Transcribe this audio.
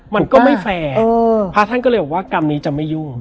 มันก็ไม่แฟร์พระท่านก็เลยบอกว่ากรรมนี้จะไม่ยุ่ง